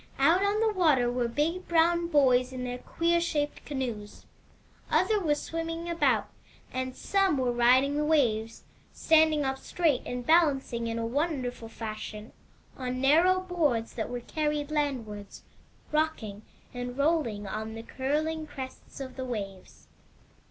Out on the water were big brown boys in their queer shaped canoes; others were swimming about, and some were riding the waves, standing up straight and balancing in a wonder ful fashion on narrow boards that were carried landwards, rocking, and rolling, on the curling crests of the waves.